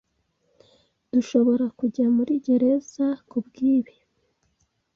Urdushoborakujya muri gereza kubwibi.